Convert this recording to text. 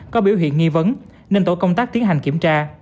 có biểu hiện nghi vấn nên tổ công tác tiến hành kiểm tra